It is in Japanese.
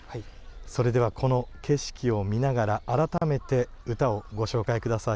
この景色を見ながら改めて歌をご紹介ください。